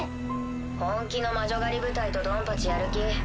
本気の魔女狩り部隊とドンパチやる気？